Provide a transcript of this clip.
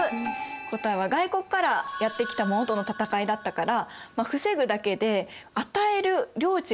答えは外国からやって来たものとの戦いだったから防ぐだけで与える領地がないよね。